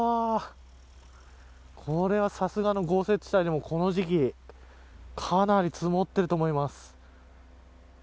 これは、さすがの豪雪地帯でもこの時期、かなり積もっていると思います。